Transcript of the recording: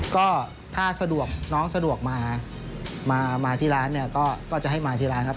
ก็ถ้าน้องสะดวกมาที่ร้านก็จะให้มาที่ร้านครับ